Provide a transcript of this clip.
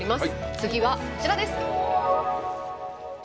次はこちらです！